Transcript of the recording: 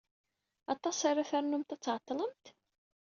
Aṭas ara ternumt ad tɛeḍḍlemt?